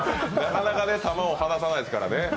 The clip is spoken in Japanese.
なかなか球を放さないからね。